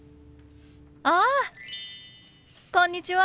あ！こんにちは。